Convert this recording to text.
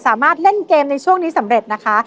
สามารถเล่นเกมในช่วงนี้สำเร็จนะคะ